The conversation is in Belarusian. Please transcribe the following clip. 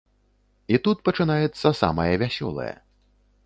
І тут пачынаецца самае вясёлае.